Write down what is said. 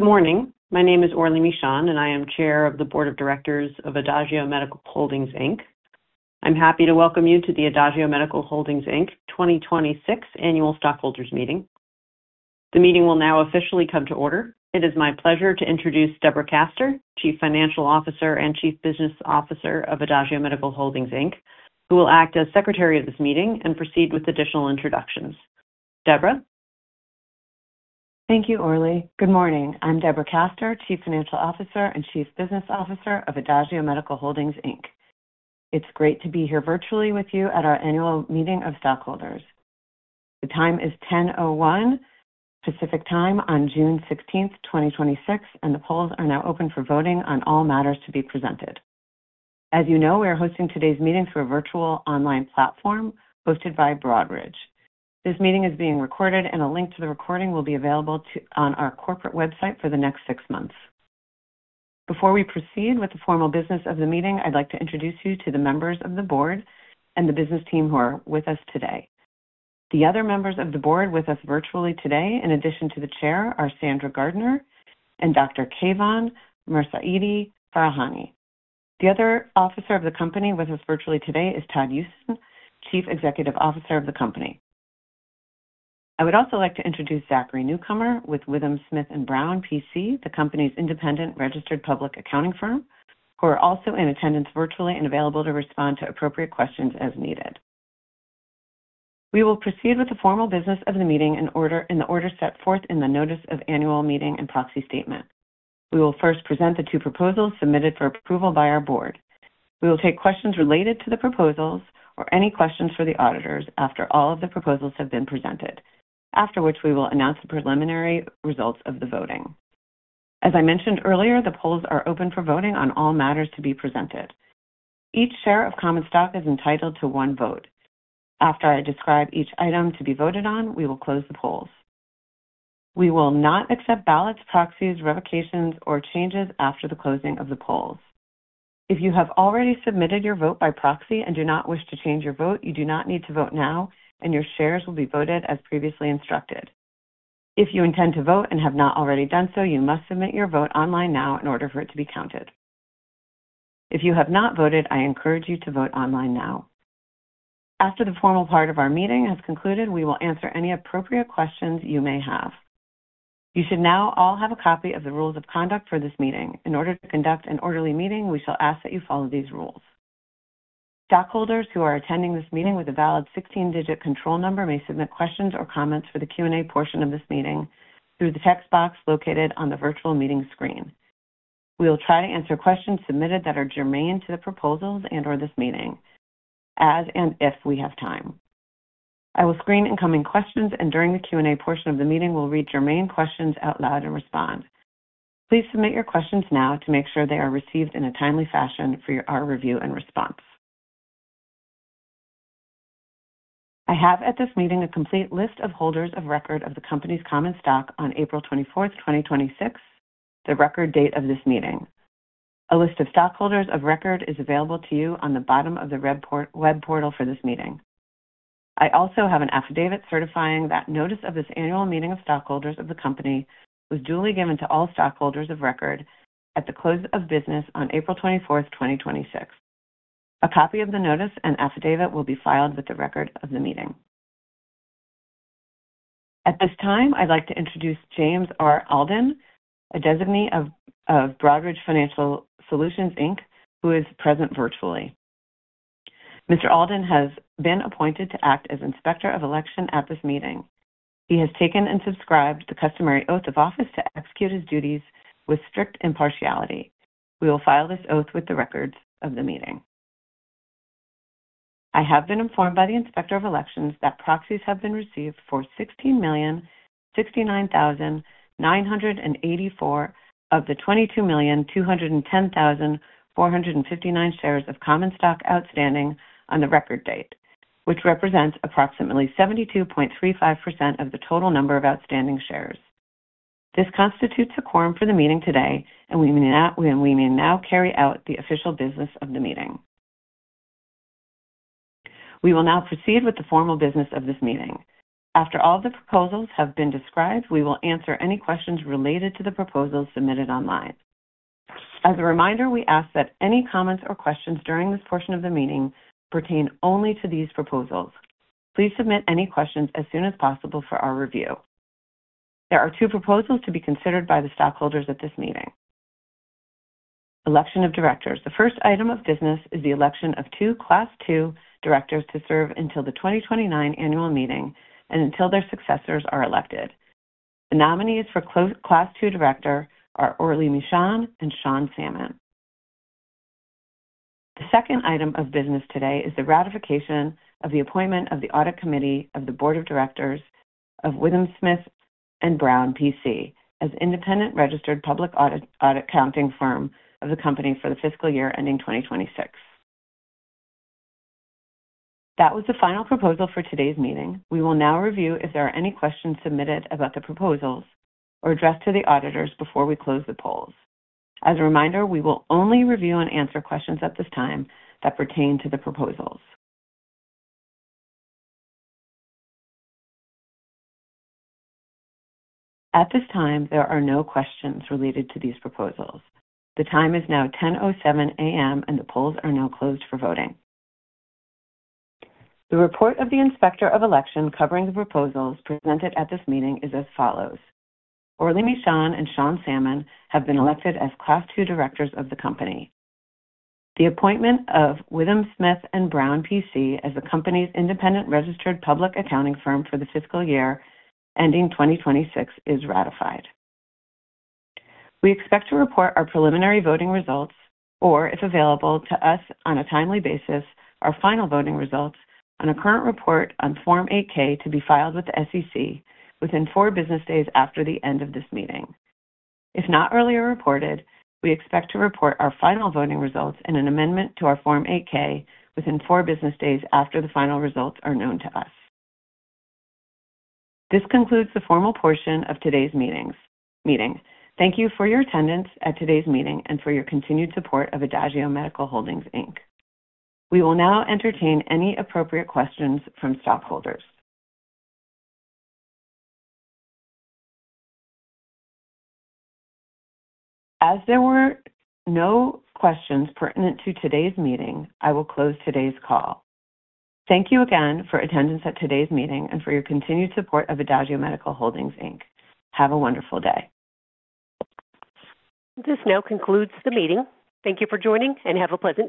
Good morning. My name is Orly Mishan, and I am Chair of the Board of Directors of Adagio Medical Holdings, Inc. I'm happy to welcome you to the Adagio Medical Holdings, Inc. 2026 Annual Stockholders Meeting. The meeting will now officially come to order. It is my pleasure to introduce Deborah Kaster, Chief Financial Officer and Chief Business Officer of Adagio Medical Holdings, Inc., who will act as Secretary of this meeting and proceed with additional introductions. Deborah? Thank you, Orly. Good morning. I'm Deborah Kaster, Chief Financial Officer and Chief Business Officer of Adagio Medical Holdings, Inc. It's great to be here virtually with you at our annual meeting of stockholders. The time is 10:01 A.M. Pacific Time on June 16th, 2026, and the polls are now open for voting on all matters to be presented. As you know, we are hosting today's meeting through a virtual online platform hosted by Broadridge. This meeting is being recorded, and a link to the recording will be available on our corporate website for the next six months. Before we proceed with the formal business of the meeting, I'd like to introduce you to the members of the Board and the business team who are with us today. The other members of the Board with us virtually today, in addition to the Chair, are Sandra Gardiner and Dr. Keyvan Mirsaeedi-Farahani. The other Officer of the company with us virtually today is Todd Usen, Chief Executive Officer of the company. I would also like to introduce Zachary Newcomer with WithumSmith+Brown, PC, the company's independent registered public accounting firm, who are also in attendance virtually and available to respond to appropriate questions as needed. We will proceed with the formal business of the meeting in the order set forth in the notice of annual meeting and proxy statement. We will first present the two proposals submitted for approval by our Board. We will take questions related to the proposals or any questions for the auditors after all of the proposals have been presented, after which we will announce the preliminary results of the voting. As I mentioned earlier, the polls are open for voting on all matters to be presented. Each share of common stock is entitled to one vote. After I describe each item to be voted on, we will close the polls. We will not accept ballots, proxies, revocations, or changes after the closing of the polls. If you have already submitted your vote by proxy and do not wish to change your vote, you do not need to vote now, and your shares will be voted as previously instructed. If you intend to vote and have not already done so, you must submit your vote online now in order for it to be counted. If you have not voted, I encourage you to voteonline now. After the formal part of our meeting has concluded, we will answer any appropriate questions you may have. You should now all have a copy of the rules of conduct for this meeting. In order to conduct an orderly meeting, we shall ask that you follow these rules. Stockholders who are attending this meeting with a valid 16-digit control number may submit questions or comments for the Q&A portion of this meeting through the text box located on the virtual meeting screen. We will try to answer questions submitted that are germane to the proposals and/or this meeting, as and if we have time. I will screen incoming questions, and during the Q&A portion of the meeting, will read germane questions out loud and respond. Please submit your questions now to make sure they are received in a timely fashion for our review and response. I have at this meeting a complete list of holders of record of the company's common stock on April 24th, 2026, the record date of this meeting. A list of stockholders of record is available to you on the bottom of the web portal for this meeting. I also have an affidavit certifying that notice of this annual meeting of stockholders of the company was duly given to all stockholders of record at the close of business on April 24th, 2026. A copy of the notice and affidavit will be filed with the record of the meeting. At this time, I'd like to introduce James R. Alden, a designee of Broadridge Financial Solutions, Inc., who is present virtually. Mr. Alden has been appointed to act as Inspector of Election at this meeting. He has taken and subscribed the customary oath of office to execute his duties with strict impartiality. We will file this oath with the records of the meeting. I have been informed by the Inspector of Elections that proxies have been received for 16,069,984 of the 22,210,459 shares of common stock outstanding on the record date, which represents approximately 72.35% of the total number of outstanding shares. This constitutes a quorum for the meeting today. We may now carry out the official business of the meeting. We will now proceed with the formal business of this meeting. After all the proposals have been described, we will answer any questions related to the proposals submitted online. As a reminder, we ask that any comments or questions during this portion of the meeting pertain only to these proposals. Please submit any questions as soon as possible for our review. There are two proposals to be considered by the stockholders at this meeting. Election of directors. The first item of business is the election of two class two directors to serve until the 2029 annual meeting and until their successors are elected. The nominees for class two director are Orly Mishan and Sean Salmon. The second item of business today is the ratification of the appointment of the Audit Committee of the Board of Directors of WithumSmith+Brown, PC as independent registered public accounting firm of the company for the fiscal year ending 2026. That was the final proposal for today's meeting. We will now review if there are any questions submitted about the proposals or addressed to the auditors before we close the polls. As a reminder, we will only review and answer questions at this time that pertain to the proposals. At this time, there are no questions related to these proposals. The time is now 10:07 A.M. The polls are now closed for voting. The report of the Inspector of Election covering the proposals presented at this meeting is as follows. Orly Mishan and Sean Salmon have been elected as class two directors of the company. The appointment of WithumSmith+Brown, PC as the company's independent registered public accounting firm for the fiscal year ending 2026 is ratified. We expect to report our preliminary voting results, or if available to us on a timely basis, our final voting results on a current report on Form 8-K to be filed with the SEC within four business days after the end of this meeting. If not earlier reported, we expect to report our final voting results in an amendment to our Form 8-K within four business days after the final results are known to us. This concludes the formal portion of today's meeting. Thank you for your attendance at today's meeting and for your continued support of Adagio Medical Holdings, Inc. We will now entertain any appropriate questions from stockholders. As there were no questions pertinent to today's meeting, I will close today's call. Thank you again for attendance at today's meeting and for your continued support of Adagio Medical Holdings, Inc. Have a wonderful day. This now concludes the meeting. Thank you for joining. Have a pleasant day.